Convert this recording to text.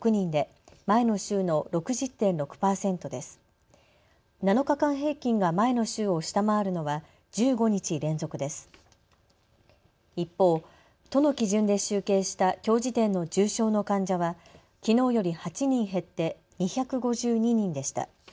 一方、都の基準で集計したきょう時点の重症の患者はきのうより８人減って２５２人でした。